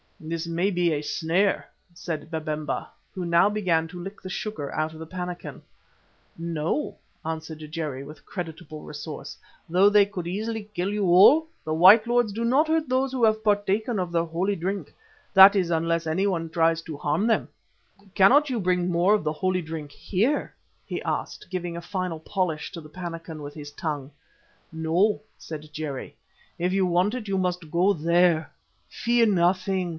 "This may be a snare," said Babemba, who now began to lick the sugar out of the pannikin. "No," answered Jerry with creditable resource; "though they could easily kill you all, the white lords do not hurt those who have partaken of their holy drink, that is unless anyone tries to harm them." "Cannot you bring some more of the holy drink here?" he asked, giving a final polish to the pannikin with his tongue. "No," said Jerry, "if you want it you must go there. Fear nothing.